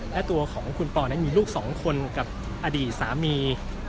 และตัวของคุณปอนั้นมีลูก๒คนกับอดีตสามี